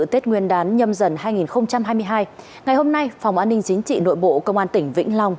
tết nguyên đán nhâm dần hai nghìn hai mươi hai ngày hôm nay phòng an ninh chính trị nội bộ công an tỉnh vĩnh long